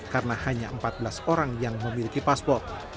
karena hanya empat belas orang yang memiliki paspor